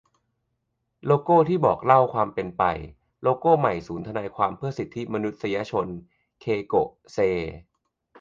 โลโก้ที่บอกเล่าความเป็นไป : โลโก้ใหม่ศูนย์ทนายความเพื่อสิทธิมนุษยชน - เคโกะ เซ